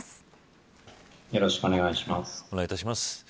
よろしくお願いします。